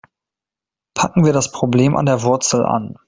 Packen wir das Problem an der Wurzel an.